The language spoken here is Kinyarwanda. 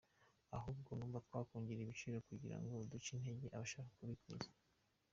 Ahubwo numva twakongera igiciro kugira ngo duce intege abashaka kubikuza.